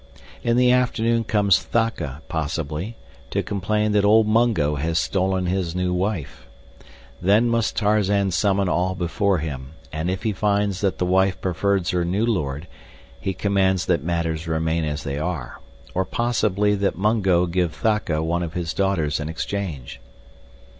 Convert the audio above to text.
In the afternoon comes Thaka, possibly, to complain that old Mungo has stolen his new wife. Then must Tarzan summon all before him, and if he finds that the wife prefers her new lord he commands that matters remain as they are, or possibly that Mungo give Thaka one of his daughters in exchange.